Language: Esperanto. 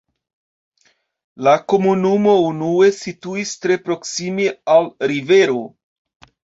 La komunumo unue situis tre proksime al rivero.